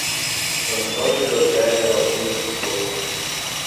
Antônio José Geraldino de Souza